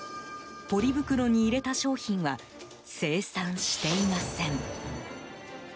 ポリ袋に入れた商品は精算していません。